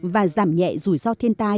và giảm nhẹ rủi ro thiên tai